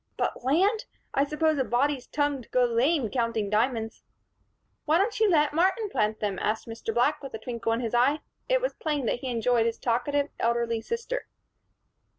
But land! I suppose a body's tongue'd go lame counting diamonds." "Why don't you let Martin plant them?" asked Mr. Black, with a twinkle in his eye. It was plain that he enjoyed his talkative elderly sister.